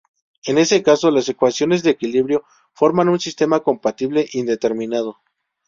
En ese caso, las ecuaciones de equilibrio forman un sistema compatible indeterminado.